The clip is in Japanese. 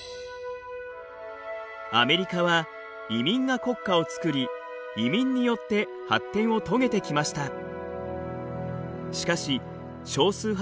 アメリカは移民が国家を作り移民によって発展を遂げてきました。